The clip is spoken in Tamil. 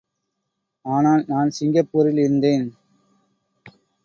ஆனால், நான் சிங்கப்பூரில் இருந்தேன்.